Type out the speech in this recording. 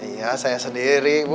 iya saya sendiri bu